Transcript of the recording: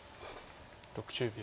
６０秒。